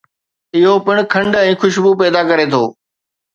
اهو پڻ کنڊ ۽ خوشبو پيدا ڪري ٿو